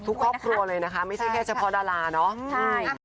ทุกครอบครัวเลยนะครับไม่ใช่แค่เฉพาะดาราเนาะ